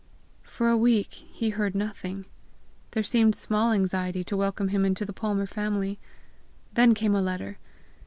For a week, he heard nothing; there seemed small anxiety to welcome him into the Palmer family! Then came a letter.